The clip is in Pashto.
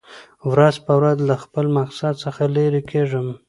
ورځ په ورځ له خپل مقصد څخه لېر کېږم .